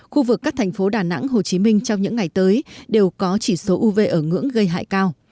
khu vực các thành phố đà nẵng hồ chí minh trong những ngày tới đều có chỉ số uv ở ngưỡng gây hại cao